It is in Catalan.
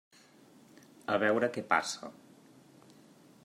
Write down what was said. A veure què passa.